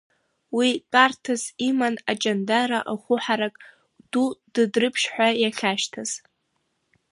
Уи тәарҭас иман Аҷандара ахәы ҳарак ду Дыдрыԥшь ҳәа иахьашьҭаз.